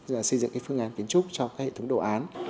xây dựng cái phương án kiến trúc cho các hệ thống đồ án